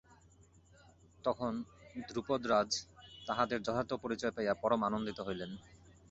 তখন দ্রুপদরাজ তাঁহাদের যথার্থ পরিচয় পাইয়া পরম আনন্দিত হইলেন।